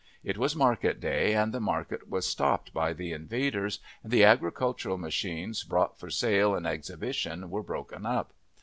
It was market day, and the market was stopped by the invaders, and the agricultural machines brought for sale and exhibition were broken up.